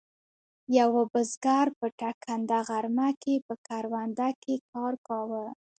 یوه بزګر په ټکنده غرمه کې په کرونده کې کار کاوه.